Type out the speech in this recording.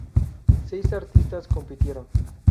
Seis artistas compitieron.